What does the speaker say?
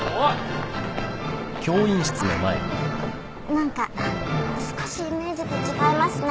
何か少しイメージと違いますね。